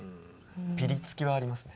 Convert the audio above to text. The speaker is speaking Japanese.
ピリつきはありますね。